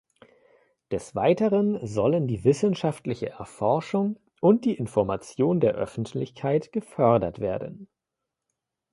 Des Weiteren sollen die wissenschaftliche Erforschung und die Information der Öffentlichkeit gefördert werden.